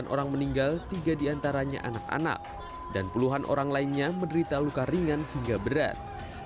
sembilan orang meninggal tiga diantaranya anak anak dan puluhan orang lainnya menderita luka ringan hingga berat